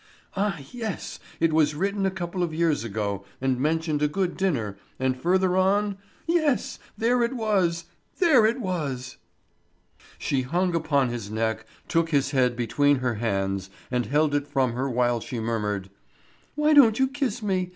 Ah, yes! It was written a couple of years ago, and mentioned a good dinner, and further on yes, there it was! There it was! She hung upon his neck, took his head between her hands and held it from her while she murmured: "Why don't you kiss me?